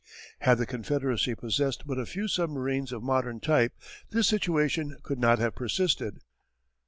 Had the Confederacy possessed but a few submarines of modern type this situation could not have persisted.